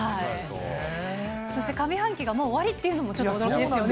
そして上半期がもう終わりっていうのもちょっと驚きですよね。